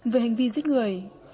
về hành vi giết người